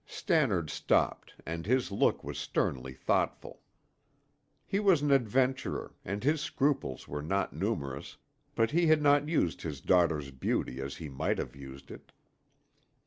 Stannard stopped and his look was sternly thoughtful. He was an adventurer and his scruples were not numerous, but he had not used his daughter's beauty as he might have used it.